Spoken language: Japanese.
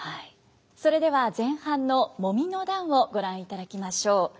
それでは前半の「揉の段」をご覧いただきましょう。